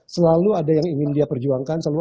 selalu ada yang ingin dia perjuangkan